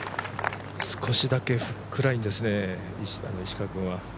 少しだけフックラインですね、石川君は。